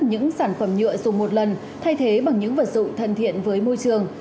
những sản phẩm nhựa dùng một lần thay thế bằng những vật dụng thân thiện với môi trường